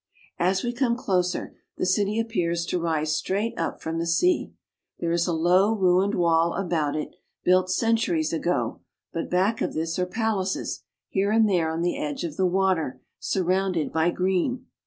As we come closer the city appears to rise straight up from the sea. There is a low ruined wall about it, built centuries ago ; but back of this are palaces, here and there on the edge of the water, surrounded by green.